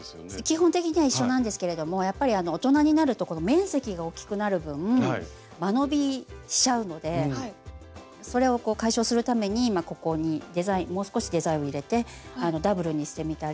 基本的には一緒なんですけれどもやっぱり大人になるとこの面積がおっきくなる分間延びしちゃうのでそれを解消するためにここにもう少しデザインを入れてダブルにしてみたり。